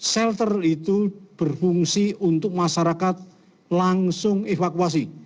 shelter itu berfungsi untuk masyarakat langsung evakuasi